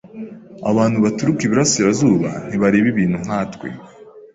Abantu baturuka iburasirazuba ntibareba ibintu nkatwe.